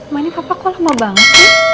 mama ini papa kok lama banget